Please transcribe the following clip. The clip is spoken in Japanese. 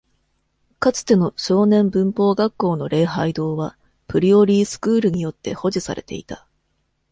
かつての少年文法学校の礼拝堂は、プリオリースクールによって保持されていた。